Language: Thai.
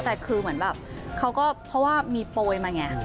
แต่คือเหมือนแบบเขาก็เพราะว่ามีโปรยมาไง